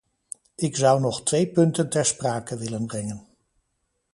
Ik zou nog twee punten ter sprake willen brengen.